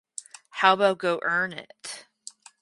How about go earn it?